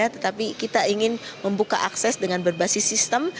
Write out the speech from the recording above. tetapi kita ingin membuka akses dengan berbasis sistem